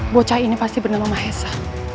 bocah ini pasti bener sama hesa